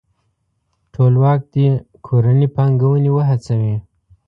ټولواک دې کورني پانګوونکي وهڅوي.